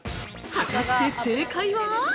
◆果たして正解は？